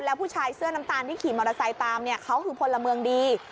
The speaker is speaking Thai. แล้วผู้ชายเสื้อน้ำตาลที่ขี่มอเตอร์ไซค์ตามเนี่ยเขาคือพลเมืองดี